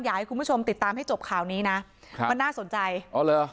อยากให้คุณผู้ชมติดตามให้จบข่าวนี้นะครับมันน่าสนใจอ๋อเหรอ